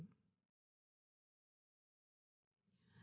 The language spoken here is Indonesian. terima kasih ya